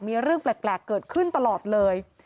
มีเรื่องแปลกเกิดขึ้นตลอดเลย